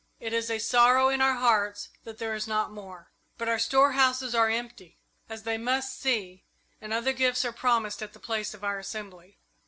It is a sorrow in our hearts that there is not more, but our storehouses are empty, as they must see, and other gifts are promised at the place of our assembly.